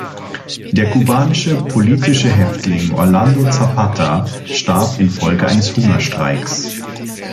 Der kubanische politische Häftling Orlando Zapata starb infolge eines Hungerstreiks.